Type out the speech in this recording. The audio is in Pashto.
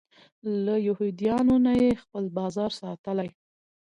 له یهودیانو نه یې خپل بازار ساتلی.